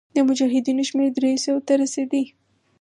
د مجاهدینو شمېر دریو سوو ته رسېدی.